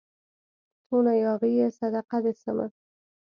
څونه ياغي يې صدقه دي سمه